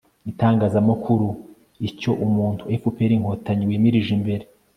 itangazamakuru icyo umuryango fpr-inkotanyi wimirije imbere